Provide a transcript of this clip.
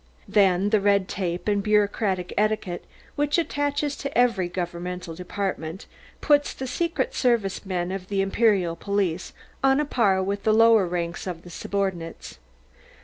Then, the red tape and bureaucratic etiquette which attaches to every governmental department, puts the secret service men of the Imperial police on a par with the lower ranks of the subordinates.